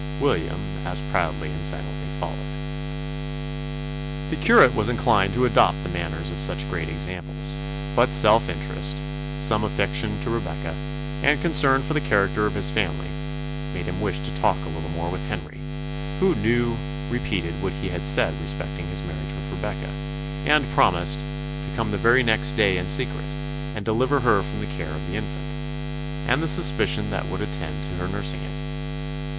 William as proudly and silently followed. The curate was inclined to adopt the manners of such great examples: but self interest, some affection to Rebecca, and concern for the character of his family, made him wish to talk a little more with Henry, who new repeated what he had said respecting his marriage with Rebecca, and promised "to come the very next day in secret, and deliver her from the care of the infant, and the suspicion that would attend her nursing it."